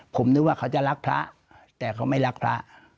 ผมนึกว่าเขาจะรักพระแต่เขาไม่รักพระ